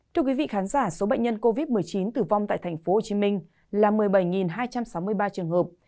thưa quý vị khán giả số bệnh nhân covid một mươi chín tử vong tại tp hcm là một mươi bảy hai trăm sáu mươi ba trường hợp